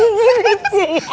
ini segitu ini segitu